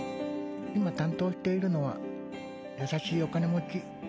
今担当しているのは優しいお金持ち